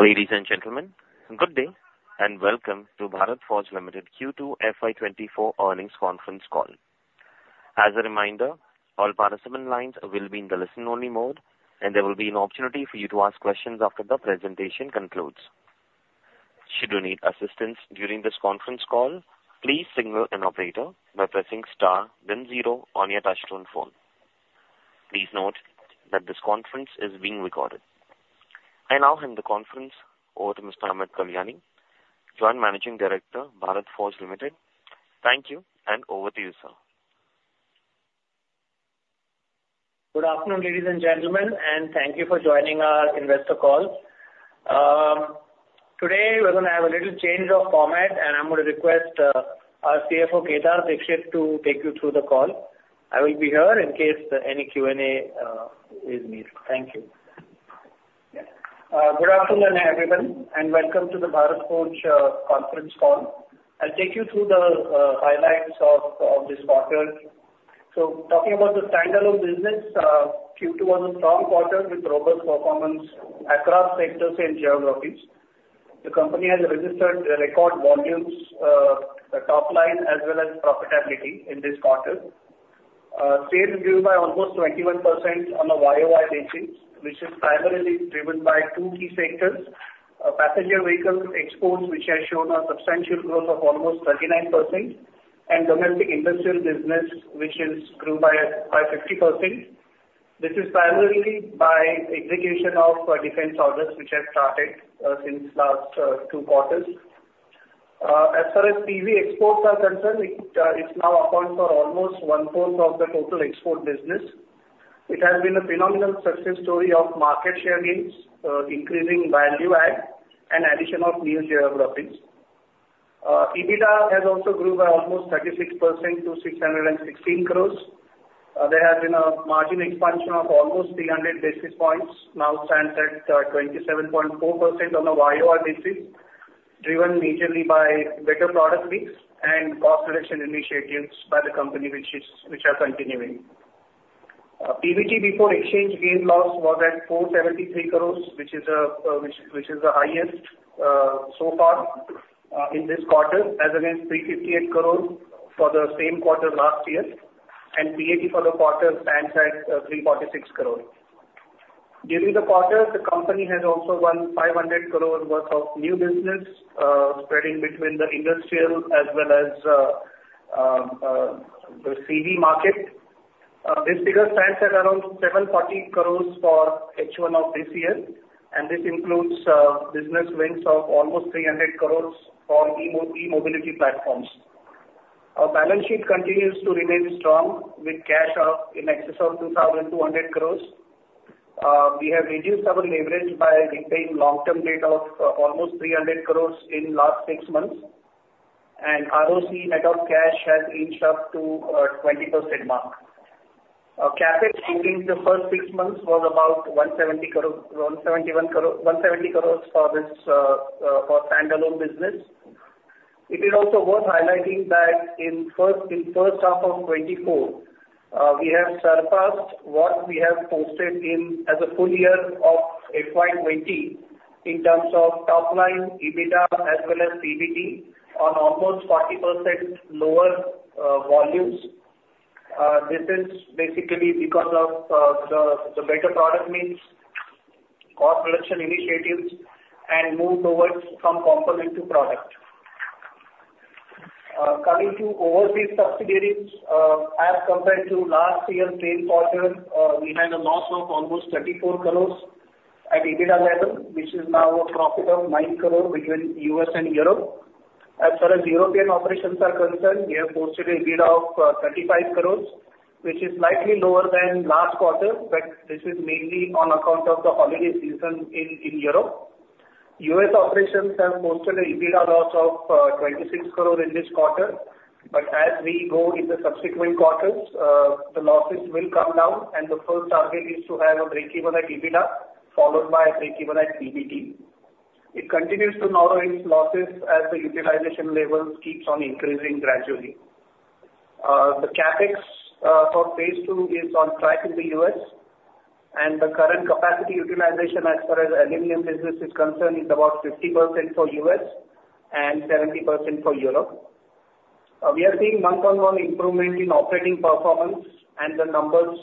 Ladies and gentlemen, good day, and welcome to Bharat Forge Limited Q2 FY 2024 earnings conference call. As a reminder, all participant lines will be in the listen-only mode, and there will be an opportunity for you to ask questions after the presentation concludes. Should you need assistance during this conference call, please signal an operator by pressing star then zero on your touchtone phone. Please note that this conference is being recorded. I now hand the conference over to Mr. Amit Kalyani, Joint Managing Director, Bharat Forge Limited. Thank you, and over to you, Sir. Good afternoon, ladies and gentlemen, and thank you for joining our investor call. Today, we're gonna have a little change of format, and I'm gonna request our CFO, Kedar Dixit, to take you through the call. I will be here in case any Q&A is needed. Thank you. Good afternoon, everyone, and welcome to the Bharat Forge conference call. I'll take you through the highlights of this quarter. So talking about the standalone business, Q2 was a strong quarter with robust performance across sectors and geographies. The company has registered record volumes, top line as well as profitability in this quarter. Sales grew by almost 21% on a year-over-year basis, which is primarily driven by two key sectors, Passenger Vehicle exports, which has shown a substantial growth of almost 39%, and domestic industrial business, which grew by 50%. This is primarily by execution of defense orders, which have started since last two quarters. As far as PV exports are concerned, it now accounts for almost one-fourth of the total export business. It has been a phenomenal success story of market share gains, increasing value add and addition of new Geographies. EBITDA has also grew by almost 36% to 616 crore. There has been a margin expansion of almost 300 basis points, now stands at 27.4% on a YOY basis, driven majorly by better product mix and cost reduction initiatives by the company, which is, which are continuing. PBT before exchange gain loss was at 473 crore, which is, which, which is the highest so far in this quarter, as against 358 crore for the same quarter last year, and PAT for the quarter stands at 346 crore. During the quarter, the company has also won 500 crore worth of new business, spreading between the industrial as well as, the CV market. This figure stands at around 740 crore for H1 of this year, and this includes, business wins of almost 300 crore for e-mobility platforms. Our balance sheet continues to remain strong with cash of in excess of 2,200 crore. We have reduced our leverage by repaying long-term debt of, almost 300 crore in last six months, and ROC net of cash has inched up to, 20% mark. Our CapEx in the first six months was about 170 crore, 171 crore, 170 crores for this, for standalone business. It is also worth highlighting that in first half of 2024, we have surpassed what we have posted in as a full year of FY 2020 in terms of top line, EBITDA, as well as PBT on almost 40% lower volumes. This is basically because of the better product mix, cost reduction initiatives, and move towards some complementary product. Coming to overseas subsidiaries, as compared to last year's same quarter, we had a loss of almost 34 crore at EBITDA level, which is now a profit of 9 crore between U.S. and Europe. As far as European operations are concerned, we have posted a EBITDA of 35 crore, which is slightly lower than last quarter, but this is mainly on account of the holiday season in Europe. U.S. operations have posted a EBITDA loss of 26 crore in this quarter, but as we go in the subsequent quarters, the losses will come down, and the first target is to have a breakeven at EBITDA, followed by a breakeven at PBT. It continues to narrow its losses as the utilization levels keeps on increasing gradually. The CapEx for phase ll is on track in the U.S., and the current capacity utilization as far as aluminum business is concerned, is about 50% for U.S. and 70% for Europe. We are seeing month-on-month improvement in operating performance, and the numbers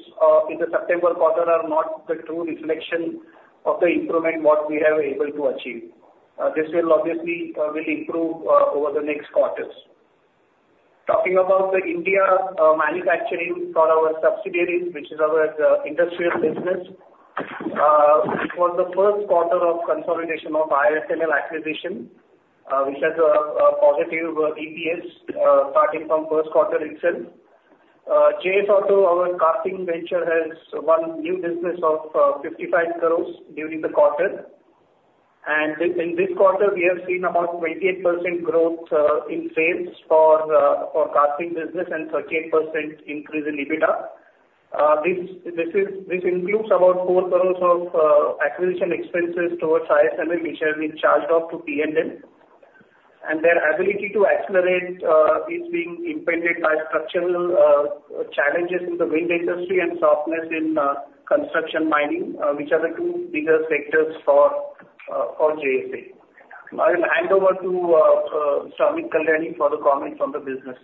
in the September quarter are not the true reflection of the improvement what we have able to achieve. This will obviously will improve over the next quarters. Talking about the Indian manufacturing for our subsidiaries, which is our industrial business, it was the first quarter of consolidation of ISMT acquisition, which has a positive EPS starting from first quarter itself. JS Auto, our casting venture, has won new business of 55 crore during the quarter. And in this quarter, we have seen about 28% growth in sales for casting business and 13% increase in EBITDA. This includes about 4 crore of acquisition expenses towards ISMT, which have been charged off to P&L, and their ability to accelerate is being impeded by structural challenges in the wind industry and softness in construction mining, which are the two bigger sectors for JSA. I will hand over to Amit Kalyani for the comments on the business.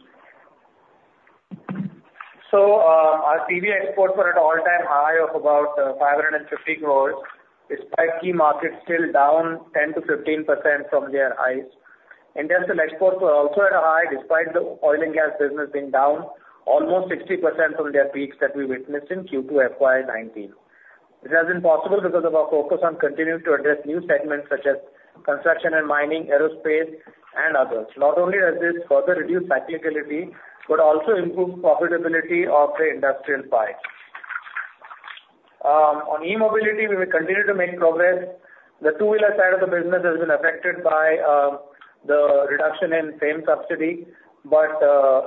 Our CV exports were at all-time high of about 550 crores, despite key markets still down 10%-15% from their highs. Industrial exports were also at a high, despite the oil and gas business being down almost 60% from their peaks that we witnessed in Q2 FY 2019. It has been possible because of our focus on continuing to address new segments such as Construction and Mining, Aerospace, and others. Not only does this further reduce cyclicality, but also improves profitability of the Industrial side. On E-mobility, we will continue to make progress. The two-wheeler side of the business has been affected by the reduction in FAME subsidy, but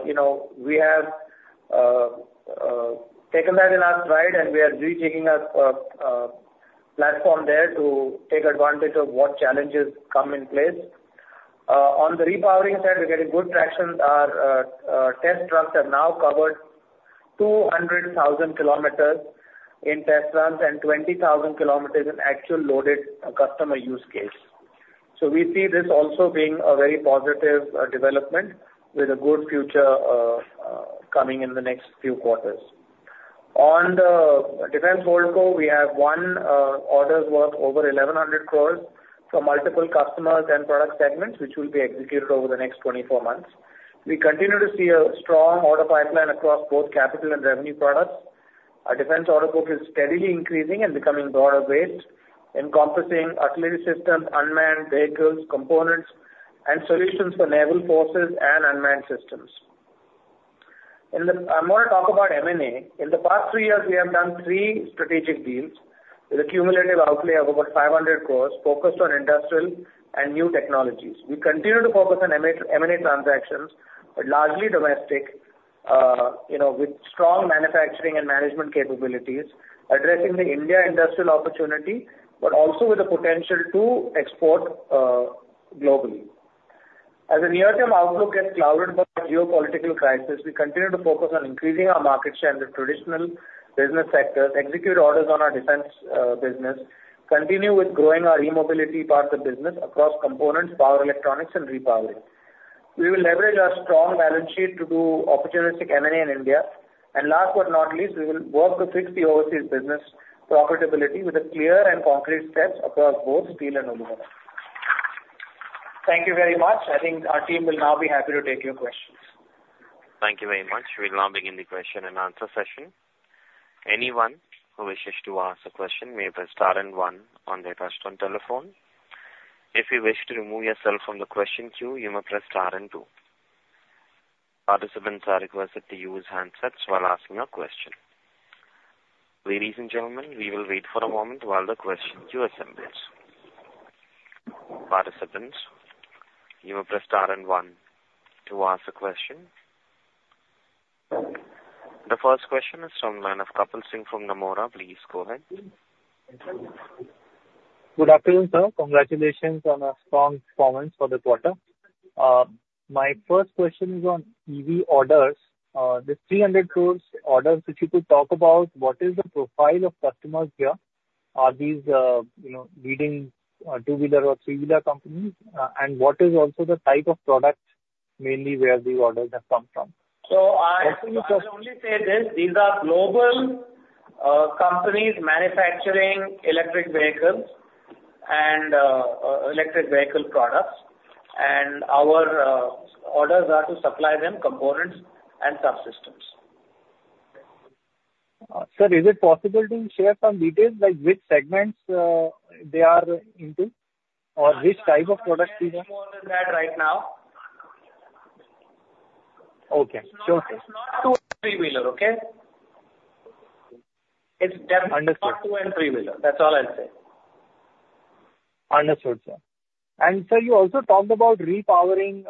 you know, we have taken that in our stride, and we are retaking our platform there to take advantage of what challenges come in place. On the repowering side, we're getting good traction. Our test trucks have now covered 200,000 kilometers in test runs and 20,000 kilometers in actual loaded customer use case. So we see this also being a very positive development with a good future coming in the next few quarters. On the defense order book, we have won orders worth over 1,100 crores from multiple customers and product segments, which will be executed over the next 24 months. We continue to see a strong order pipeline across both capital and revenue products. Our defense order book is steadily increasing and becoming broader based, encompassing artillery systems, unmanned vehicles, components, and solutions for naval forces and unmanned systems. In the-- I want to talk about M&A. In the past three years, we have done three strategic deals with a cumulative outlay of over 500 crores focused on industrial and new technologies. We continue to focus on M&A, M&A transactions, but largely domestic, you know, with strong manufacturing and management capabilities, addressing the India industrial opportunity, but also with the potential to export, globally. As a near-term outlook gets clouded by Geopolitical crisis, we continue to focus on increasing our market share in the traditional business sectors, execute orders on our defense business, continue with growing our e-mobility part of the business across components, Power, Electronics, and repowering. We will leverage our strong balance sheet to do opportunistic M&A in India. And last but not least, we will work to fix the overseas business profitability with a clear and concrete steps across both deal and organic. Thank you very much. I think our team will now be happy to take your questions. Thank you very much. We'll now begin the question and answer session. Anyone who wishes to ask a question may press star and one on their touch-tone telephone. If you wish to remove yourself from the question queue, you may press star and two. Participants are requested to use handsets while asking a question. Ladies and gentlemen, we will wait for a moment while the question queue assembles. Participants, you may press star and one to ask a question. The first question is from Manav Kapil Singh from Nomura. Please go ahead. Good afternoon, Sir. Congratulations on a strong performance for the quarter. My first question is on EV orders. The 300 crore orders, if you could talk about what is the profile of customers here? Are these, you know, leading two-wheeler or three-wheeler companies? And what is also the type of products, mainly where these orders have come from? So I will only say this: these are global companies manufacturing electric vehicles and electric vehicle products, and our orders are to supply them components and subsystems. Sir, is it possible to share some details, like which segments, they are into, or which type of products they are? More than that right now. Okay. Sure, Sir. Not two and three-wheeler, okay? It's Understood. Not two and three-wheeler. That's all I'd say. Understood, Sir. And Sir, you also talked about repowering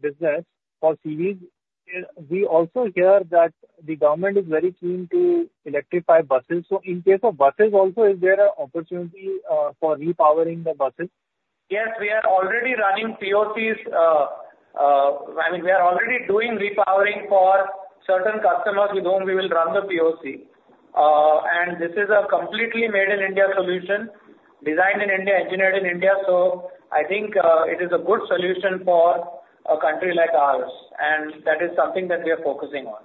business for CVs. We also hear that the government is very keen to electrify buses. So in case of buses also, is there an opportunity for repowering the buses? Yes, we are already running POCs, I mean, we are already doing repowering for certain customers. With whom we will run the POC. This is a completely made in India solution, designed in India, engineered in India, so I think, it is a good solution for a country like ours, and that is something that we are focusing on.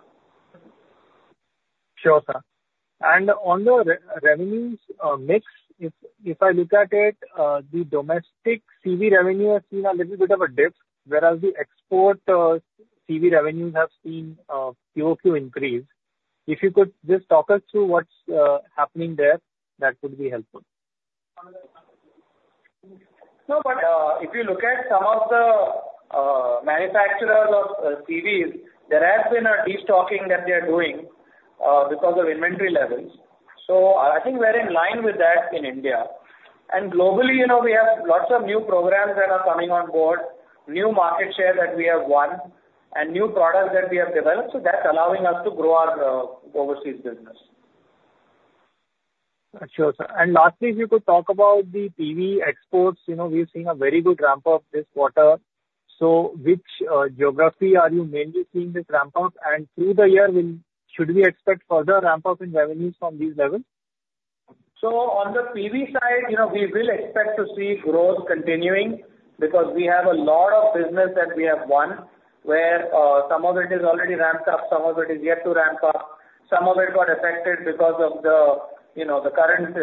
Sure, Sir. On the revenues mix, if I look at it, the domestic CV revenue has seen a little bit of a dip, whereas the export CV revenues have seen QOQ increase. If you could just talk us through what's happening there, that would be helpful. No, but if you look at some of the manufacturers of CVs, there has been a destocking that they are doing because of inventory levels. So I think we're in line with that in India. And globally, you know, we have lots of new programs that are coming on board, new market share that we have won, and new products that we have developed, so that's allowing us to grow our overseas business. Sure, Sir. And lastly, if you could talk about the PV exports, you know, we've seen a very good ramp up this quarter. So which geography are you mainly seeing this ramp up? And through the year, should we expect further ramp up in revenues from these levels? On the PV side, you know, we will expect to see growth continuing, because we have a lot of business that we have won, where some of it is already ramped up, some of it is yet to ramp up. Some of it got affected because of the, you know, the current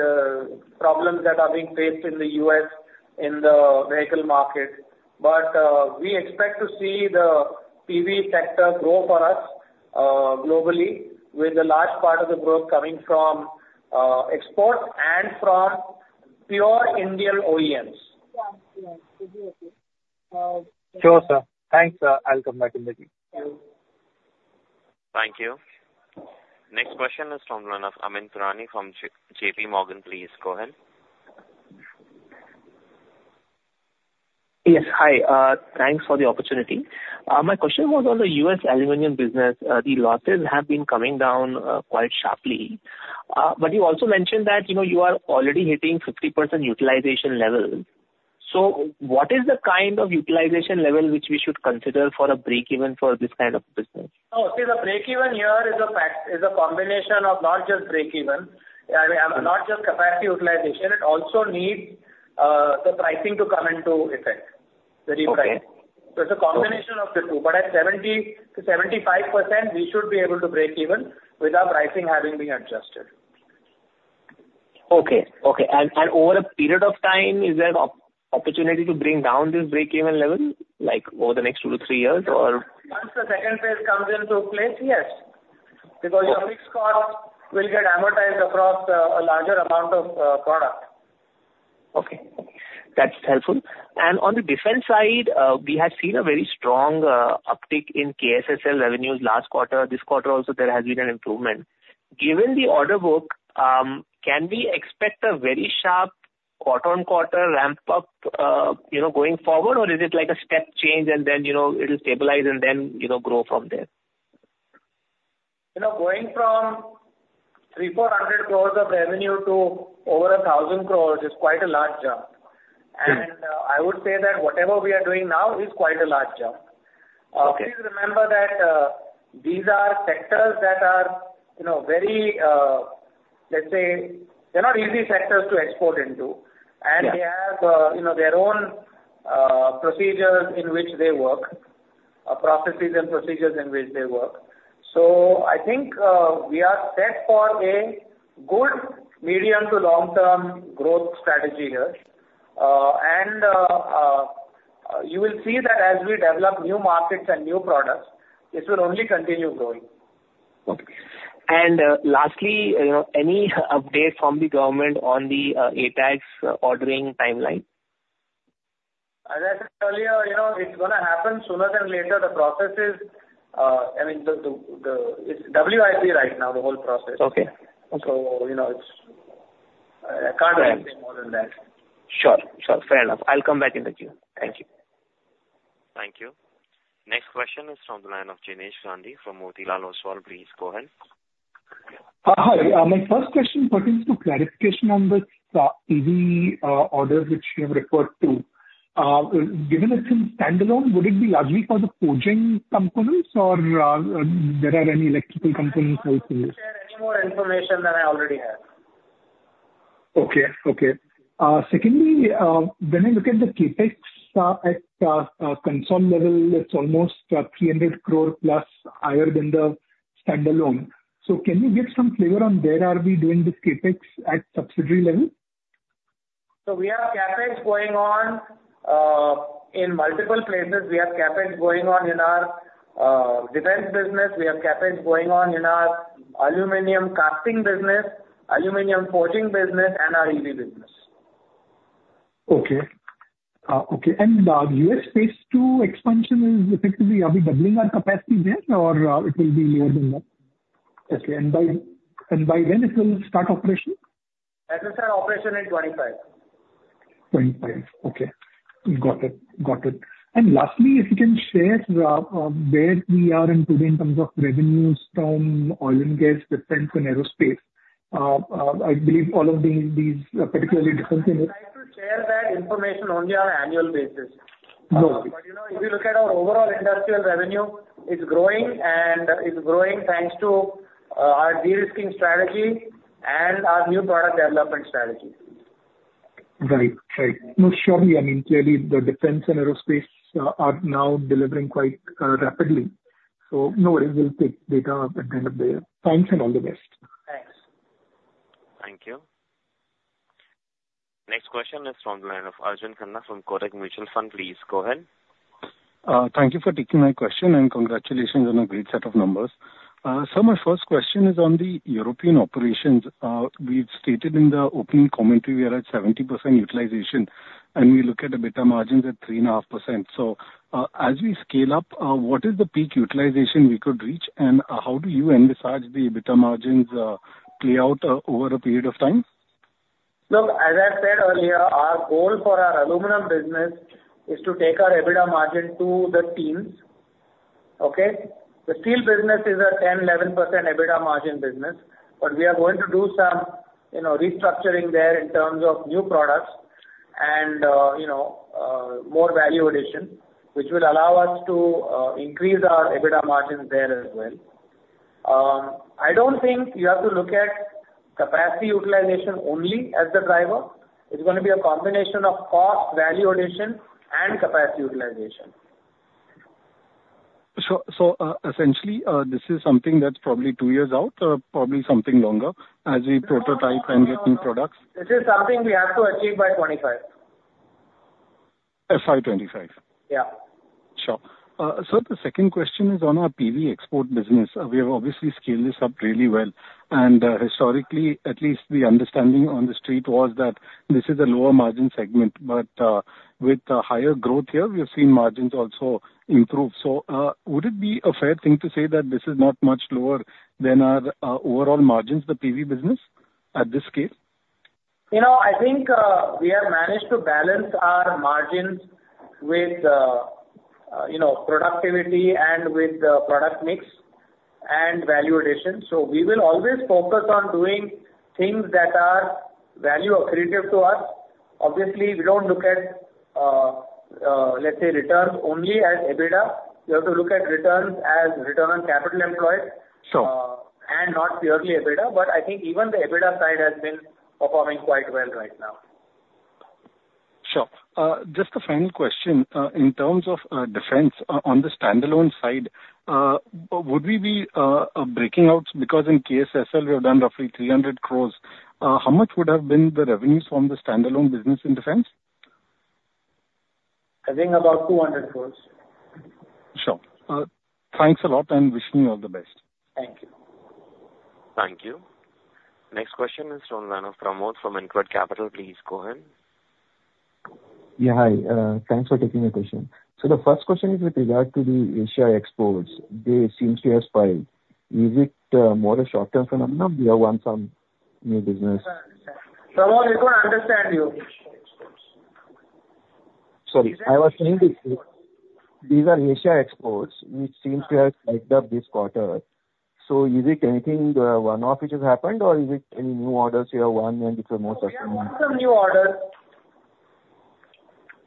problems that are being faced in the U.S. in the vehicle market. But we expect to see the PV sector grow for us globally, with a large part of the growth coming from exports and from pure Indian OEMs. Yeah. Yeah. Okay, sure, Sir. Thanks, Sir. I'll come back in the queue. Thank you. Thank you. Next question is from the line of Amyn Pirani from JPMorgan. Please go ahead. Yes, hi. Thanks for the opportunity. My question was on the U.S. Aluminum business. The losses have been coming down quite sharply. But you also mentioned that, you know, you are already hitting 50% utilization levels. So what is the kind of utilization level which we should consider for a break even for this kind of business? Oh, see, the breakeven here is a fact. It is a combination of not just breakeven, I mean, not just capacity utilization. It also needs the pricing to come into effect, the repricing. Okay. It's a combination of the two, but at 70%-75%, we should be able to break even with our pricing having been adjusted. Okay, and over a period of time, is there opportunity to bring down this breakeven level, like, over the next two to three years, or? Once the second phase comes into place, yes. Okay. Because your fixed cost will get amortized across a larger amount of product. Okay. That's helpful. And on the defense side, we had seen a very strong uptick in KSSL revenues last quarter. This quarter also, there has been an improvement. Given the order book, can we expect a very sharp quarter-on-quarter ramp up, you know, going forward? Or is it like a step change and then, you know, it'll stabilize and then, you know, grow from there? You know, going from 300-400 crores of revenue to over 1,000 crores is quite a large jump. Sure. I would say that whatever we are doing now is quite a large jump. Okay. Please remember that, these are sectors that are, you know, very, let's say, they're not easy sectors to export into. Yeah. They have, you know, their own procedures in which they work, processes and procedures in which they work. I think we are set for a good medium- to long-term growth strategy here. You will see that as we develop new markets and new products, this will only continue growing. Okay. Lastly, you know, any update from the Government on the ATAGS ordering timeline? As I said earlier, you know, it's gonna happen sooner than later. The process is, I mean, it's WIP right now, the whole process. Okay. Okay. You know, it's, I can't say anything more than that. Sure. Sure, fair enough. I'll come back in the queue. Thank you. Thank you. Next question is from the line of Jinesh Gandhi from Motilal Oswal. Please go ahead. Hi. My first question pertains to clarification on the EV orders which you have referred to. Given it's in standalone, would it be largely for the forging components or there are any electrical components also? I wouldn't share any more information than I already have. Okay. Okay. Secondly, when I look at the CapEx, at consolidated level, it's almost 300 crore plus higher than the standalone. So can you give some flavor on where are we doing this CapEx at Subsidiary level? So we have CapEx going on in multiple places. We have CapEx going on in our defense business. We have CapEx going on in our aluminum casting business, aluminum forging business, and our EV business. Okay. Okay, and the U.S. phase ll expansion is effectively, are we doubling our capacity there or it will be more than that? Okay, and by and by when it will start operation? As I said, operation in 2025. Okay, got it. Got it. And lastly, if you can share where we are in today in terms of revenues from oil and gas, defense, and aerospace? I believe all of these, these are particularly different in it. We try to share that information only on annual basis. Okay. You know, if you look at our overall industrial revenue, it's growing and it's growing thanks to our de-risking strategy and our new product development strategy. Right. Right. No, surely, I mean, clearly the defense and aerospace are now delivering quite rapidly. So no worries, we'll pick data at the end of the year. Thanks, and all the best. Thanks. Thank you. Next question is from the line of Arjun Khanna from Kotak Mutual Fund. Please go ahead. Thank you for taking my question, and congratulations on a great set of numbers. So my first question is on the European operations. We've stated in the opening commentary we are at 70% utilization, and we look at the EBITDA margins at 3.5%. So, as we scale up, what is the peak utilization we could reach, and, how do you envisage the EBITDA margins, play out, over a period of time? Look, as I said earlier, our goal for our aluminum business is to take our EBITDA margin to the teens. Okay. The steel business is a 10%-11% EBITDA margin business, but we are going to do some, you know, restructuring there in terms of new products and, you know, more value addition, which will allow us to increase our EBITDA margins there as well. I don't think you have to look at capacity utilization only as the driver. It's going to be a combination of cost, value addition, and capacity utilization. Essentially, this is something that's probably two years out or probably something longer as we prototype and get new products? This is something we have to achieve by 2025. FY 2025? Yeah. Sure. Sir, the second question is on our PV export business. We have obviously scaled this up really well, and, historically, at least the understanding on the street was that this is a lower margin segment, but, with the higher growth here, we have seen margins also improve. So, would it be a fair thing to say that this is not much lower than our, overall margins, the PV business, at this scale? You know, I think, we have managed to balance our margins with, you know, productivity and with the product mix and value addition. So we will always focus on doing things that are value accretive to us. Obviously, we don't look at, let's say, returns only as EBITDA. We have to look at returns as return on capital employed- Sure. And not purely EBITDA. But I think even the EBITDA side has been performing quite well right now. Sure. Just a final question, in terms of defense on the standalone side, would we be breaking out? Because in KSSL we have done roughly 300 crore. How much would have been the revenues from the standalone business in defense? I think about 200 crore. Sure. Thanks a lot, and wishing you all the best. Thank you. Thank you. Next question is from the line of Pramod, from Incred Capital. Please go ahead. Yeah, hi. Thanks for taking the question. So the first question is with regard to the Asia exports. They seem to have spiked. Is it more a short-term phenomenon, we have won some new business? Pramod, we don't understand you. Sorry. I was saying that these are Asia exports, which seems to have spiked up this quarter. So is it anything, one-off which has happened, or is it any new orders you have won and it's a more sustainable- We have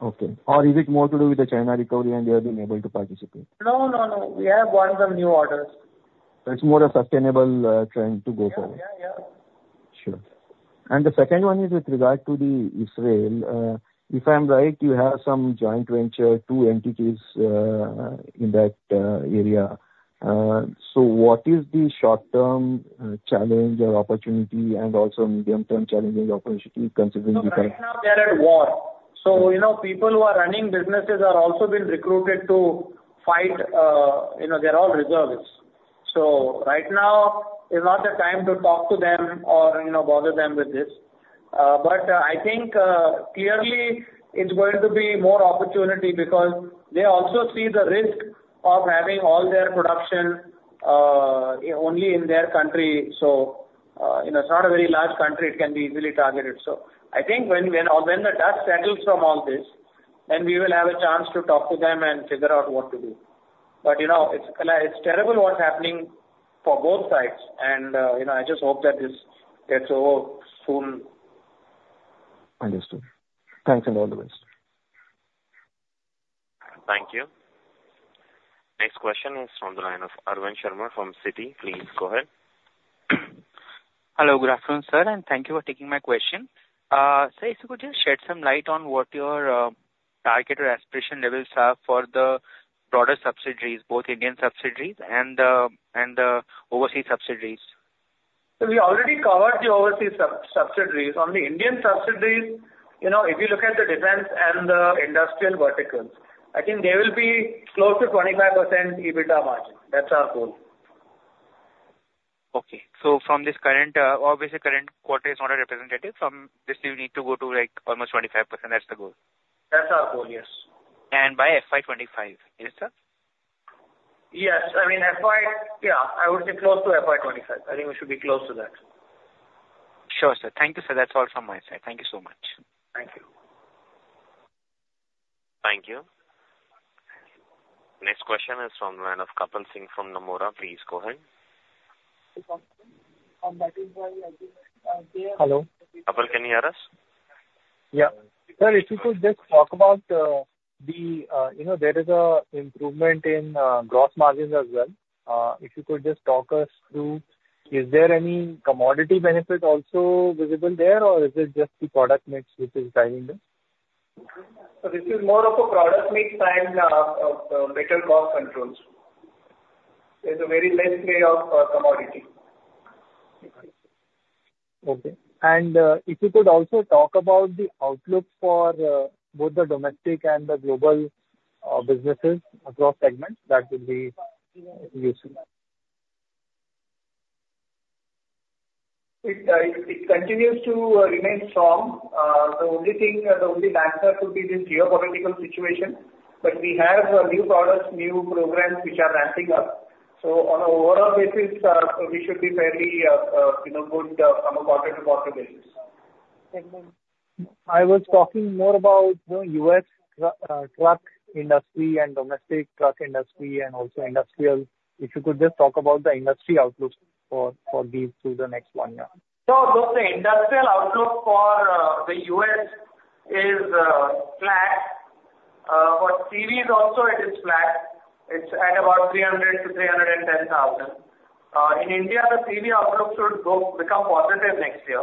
won some new orders. Okay. Or is it more to do with the China recovery and they have been able to participate? No, no, no. We have won some new orders. It's more a sustainable trend to go forward. Yeah. Yeah, yeah. Sure. And the second one is with regard to Israel. If I'm right, you have some joint venture, two entities, in that area. So what is the short-term challenge or opportunity and also medium-term challenge and opportunity considering the current- Right now, they're at war. So, you know, people who are running businesses are also being recruited to fight, you know, they're all reservists. So right now is not the time to talk to them or, you know, bother them with this. But I think clearly it's going to be more opportunity because they also see the risk of having all their production only in their country. So, you know, it's not a very large country, it can be easily targeted. So I think when the dust settles from all this, then we will have a chance to talk to them and figure out what to do. But, you know, it's terrible what's happening for both sides, and, you know, I just hope that this gets over soon. Understood. Thanks and all the best. Thank you. Next question is from the line of Arvind Sharma from Citi. Please go ahead. Hello. Good afternoon, Sir, and thank you for taking my question. Sir, if you could just shed some light on what your target or aspiration levels are for the broader subsidiaries, both Indian subsidiaries and overseas subsidiaries? We already covered the Overseas Subsidiaries. On the Indian Subsidiaries, you know, if you look at the defense and the industrial verticals, I think they will be close to 25% EBITDA margin. That's our goal. Okay. So from this current, obviously, current quarter is not a representative. From this, you need to go to, like, almost 25%. That's the goal. That's our goal, yes. By FY 2025, is it, S ir? Yes. I mean, FY, Yeah, I would say close to FY 2025. I think we should be close to that. Sure, Sir. Thank you, Sir. That's all from my side. Thank you so much. Thank you. Thank you. Next question is from the line of Kapil Singh from Nomura. Please go ahead. Hello. Kapil, Can you hear us? Yeah. Sir, if you could just talk about, you know, there is an improvement in gross margins as well. If you could just talk us through, is there any commodity benefit also visible there, or is it just the product mix which is driving this? So this is more of a product mix and better cost controls. There's a very less play of commodity. Okay. And, if you could also talk about the outlook for both the domestic and the global businesses across segments, that would be useful. It continues to remain strong. The only thing, the only damper could be this geopolitical situation, but we have new products, new programs, which are ramping up. So on an overall basis, we should be fairly, you know, good on a quarter-to-quarter basis.... I was talking more about the U.S. truck industry and domestic truck industry, and also industrial. If you could just talk about the industry outlook for these through the next one year. So look, the industrial outlook for the U.S. is flat. For CVs also it is flat. It's at about 300-310 thousand. In India, the CV outlook should go, become positive next year.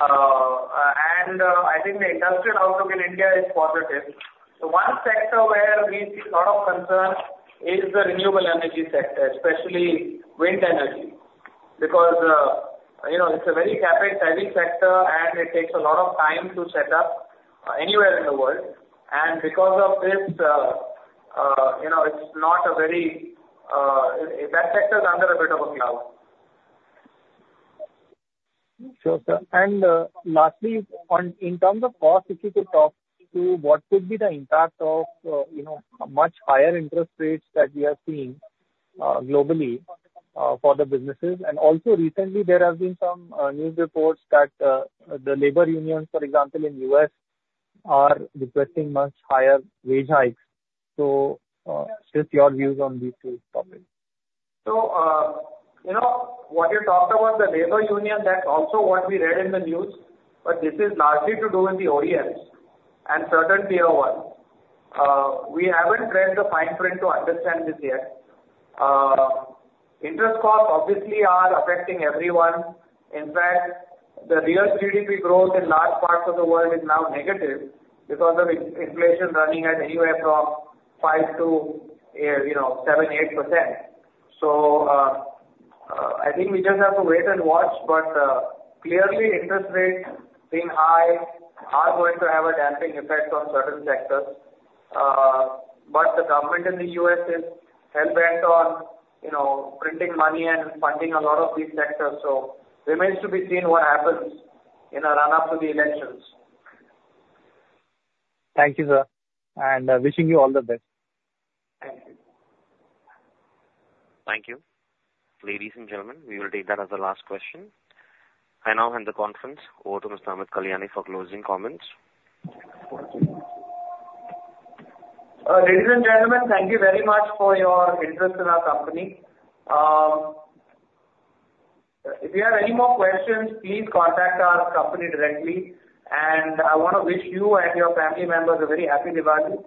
And I think the industrial outlook in India is positive. The one sector where we see a lot of concern is the renewable energy sector, especially wind energy, because you know, it's a very capital-heavy sector, and it takes a lot of time to set up anywhere in the world. And because of this, you know, it's not a very, that sector is under a bit of a cloud. Sure, Sir. And, lastly, on in terms of cost, if you could talk to what could be the impact of, you know, much higher interest rates that we are seeing, globally, for the businesses? And also recently there have been some news reports that the labor unions, for example, in U.S., are requesting much higher wage hikes. So, just your views on these two topics. So, you know, what you talked about, the labor union, that's also what we read in the news, but this is largely to do with the OEMs and certain Tier 1. We haven't read the fine print to understand this yet. Interest costs obviously are affecting everyone. In fact, the real GDP growth in large parts of the world is now negative because of inflation running at anywhere from 5% to 7, 8%. So, I think we just have to wait and watch, but clearly interest rates being high are going to have a damping effect on certain sectors. But the Government in the U.S. is hell-bent on, you know, printing money and funding a lot of these sectors. So remains to be seen what happens in the run-up to the elections. Thank you, Sir, and wishing you all the best. Thank you. Thank you. Ladies and gentlemen, we will take that as the last question. I now hand the conference over to Mr. Amit Kalyani for closing comments. Ladies and gentlemen, thank you very much for your interest in our company. If you have any more questions, please contact our company directly. I want to wish you and your family members a very happy Diwali,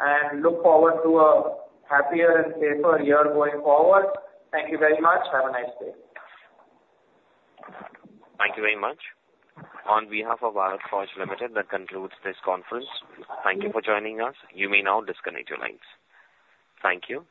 and look forward to a happier and safer year going forward. Thank you very much. Have a nice day. Thank you very much. On behalf of Bharat Forge Limited, that concludes this conference. Thank you for joining us. You may now disconnect your lines. Thank you.